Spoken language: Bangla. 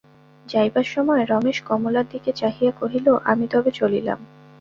যাইবার সময় রমেশ কমলার দিকে চাহিয়া কহিল, আমি তবে চলিলাম।